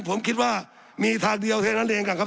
สับขาหลอกกันไปสับขาหลอกกันไป